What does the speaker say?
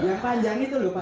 yang panjang itu lho pak